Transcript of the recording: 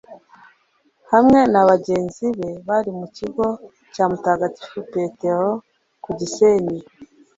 hamwe na bagenzi be bari mu kigo cya mutagatifu petero ku gisenyi